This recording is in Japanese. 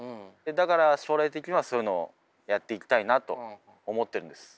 だから将来的にはそういうのをやっていきたいなと思ってるんです。